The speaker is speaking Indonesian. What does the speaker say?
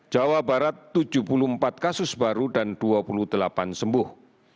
jawa barat tujuh puluh empat kasus baru dan dua puluh delapan sembuh